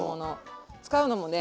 使うのもね